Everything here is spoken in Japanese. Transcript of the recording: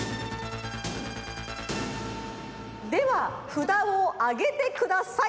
ではふだをあげてください！